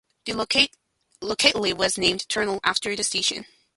The locality was named Tunnel after the station.